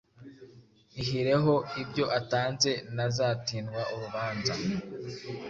Ihyireho ibyo atanze ntazatindwa urubanza